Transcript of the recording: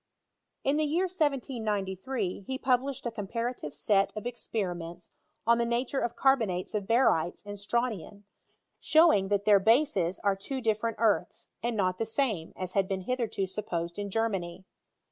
In the year 1793 he published a comparative set of experiments on the nature of carbonates of barytea and strontian; showing that their bases are twe different earths, and not the same, as had been hitherto supposed in Germany.